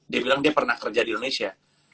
dia bilang dia pernah kerja di indonesia